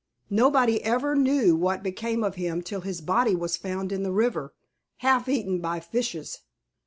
Nobody ever knew what became of him till his body was found in the river, half eaten by fishes."